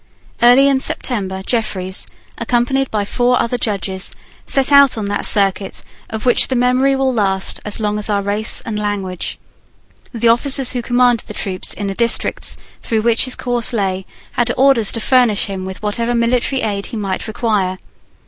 Early in September, Jeffreys, accompanied by four other judges, set out on that circuit of which the memory will last as long as our race and language. The officers who commanded the troops in the districts through which his course lay had orders to furnish him with whatever military aid he might require.